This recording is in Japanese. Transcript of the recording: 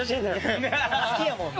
好きやもんね？